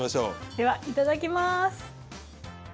ではいただきます。